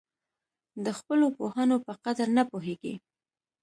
د خپلو پوهانو په قدر نه پوهېږي.